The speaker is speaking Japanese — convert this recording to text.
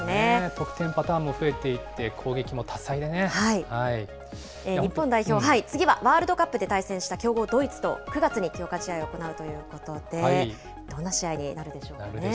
得点パターンも増えていって、日本代表、次はワールドカップで対戦した強豪ドイツと９月に強化試合を行うということで、どんな試合になるんでしょうかね。